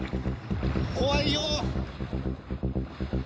怖いよ。